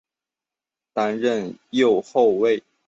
担任右后卫。